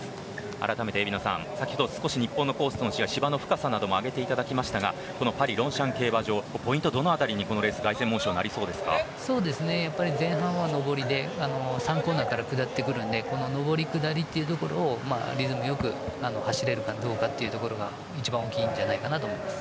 あらためて、先ほど日本のコースの違い、芝の深さも挙げていただきましたがパリロンシャン競馬場のポイント凱旋門賞前半は上りで３コーナーから下ってくるので上り下りというところをリズムよく走れるかどうかというところが一番大きいんじゃないかなと思います。